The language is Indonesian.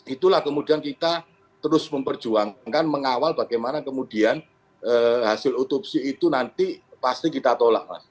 itulah kemudian kita terus memperjuangkan mengawal bagaimana kemudian hasil otopsi itu nanti pasti kita tolak mas